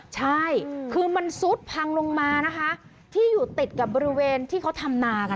ใช่คือมันซุดพังลงมานะคะที่อยู่ติดกับบริเวณที่เขาทำนาค่ะ